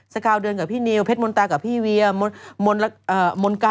สกาวเด้อนกับพี่นิวเพ็ดมณ์ตากับพี่เวียม